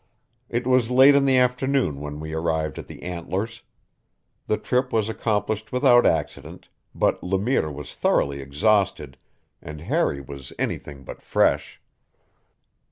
It was late in the afternoon when we arrived at the Antlers. The trip was accomplished without accident, but Le Mire was thoroughly exhausted and Harry was anything but fresh.